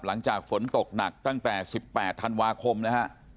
หลังจากฝนตกหนักตั้งแต่๑๘ธันวาคมนะฮะ